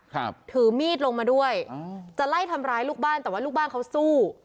ถือมีดลงมาด้วยอ่าจะไล่ทำร้ายลูกบ้านแต่ว่าลูกบ้านเขาสู้